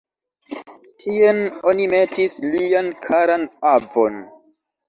Tien oni metis lian karan avon.